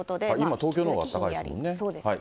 今、東京のほうが暖かいですもんね。